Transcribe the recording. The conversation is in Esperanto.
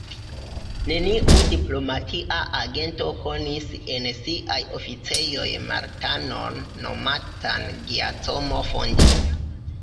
Neniu diplomatia agento konis en siaj oficejoj Maltanon nomatan Giacomo Fondi.